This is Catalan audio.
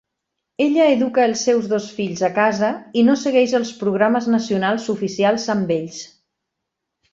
Ella educa els seus dos fills a casa i no segueix els programes nacionals oficials amb ells.